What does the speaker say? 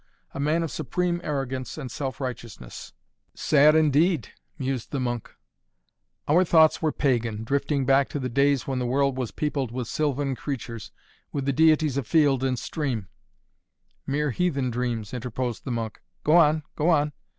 A man of supreme arrogance and self righteousness." "Sad, indeed " mused the monk. "Our thoughts were pagan, drifting back to the days when the world was peopled with sylvan creatures with the deities of field and stream " "Mere heathen dreams," interposed the monk. "Go on! Go on!"